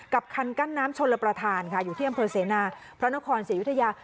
คันกั้นน้ำชนระประธานค่ะอยู่ที่อำเภอเสนาพระนครศรียุธยา